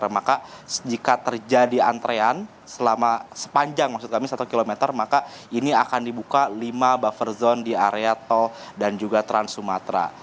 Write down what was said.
maka jika terjadi antrean selama sepanjang maksud kami satu km maka ini akan dibuka lima buffer zone di area tol dan juga trans sumatera